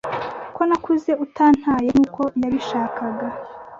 ko nakuze utantaye nkuko yabishakaga